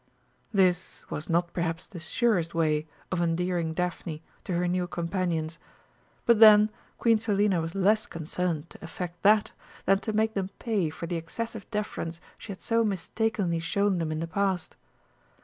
This was not perhaps the surest way of endearing Daphne to her new companions, but then Queen Selina was less concerned to effect that than to make them pay for the excessive deference she had so mistakenly shown them in the past.